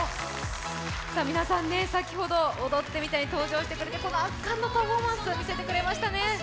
皆さん、先ほど「踊ってみた」に登場してくれて圧巻のパフォーマンスを見せてくれましたね。